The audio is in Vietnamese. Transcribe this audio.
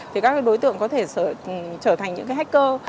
thì các đối tượng có thể trở thành những cái hacker